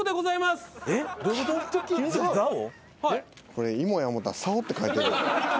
これ芋や思ったら竿って書いてる。